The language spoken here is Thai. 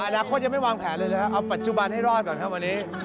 อนาคตยังไม่วางแผนเลยนะครับเอาปัจจุบันให้รอดก่อนครับวันนี้